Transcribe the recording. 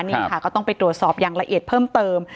นี่ค่ะก็ต้องไปตรวจสอบอย่างละเอียดเพิ่มเติม